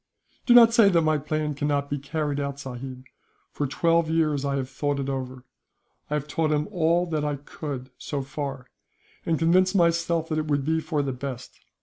"Do not say that my plan cannot be carried out, sahib. For twelve years I have thought it over. I have taught him all that I could, so far; and convinced myself that it would be the best.